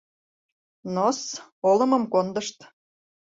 Но-с... олымым кондышт.